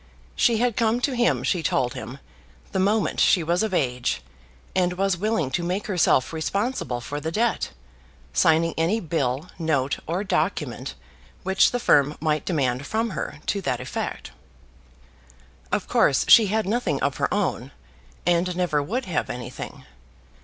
She had come to him, she told him, the moment she was of age, and was willing to make herself responsible for the debt, signing any bill, note, or document which the firm might demand from her, to that effect. Of course she had nothing of her own, and never would have anything.